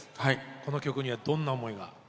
この曲にはどんな思いが？